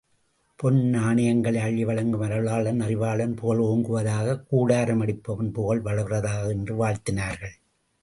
பொன் நாணயங்களை அள்ளி வழங்கும் அருளாளன் அறிவாளன் புகழ் ஓங்குவதாக! கூடாரமடிப்பவன் புகழ் வளர்வதாக! என்று வாழ்த்தினார்கள்.